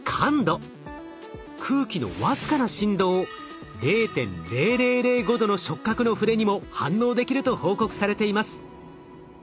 空気の僅かな振動０．０００５度の触角のふれにも反応できると報告されています。